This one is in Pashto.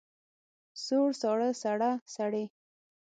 سوړ، ساړه، سړه، سړې.